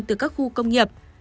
từ các khu công nghiệp